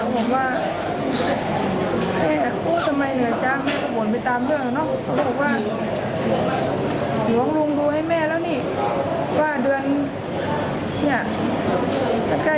เขาเคยบอกมาว่าเดี๋ยวแม่ก็สบาย